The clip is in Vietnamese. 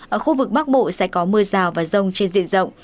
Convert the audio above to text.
ở khu vực bắc bộ sẽ có mưa rào và rông trên diện rộng